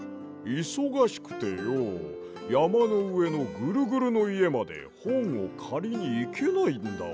いそがしくてよやまのうえのぐるぐるのいえまでほんをかりにいけないんだわ。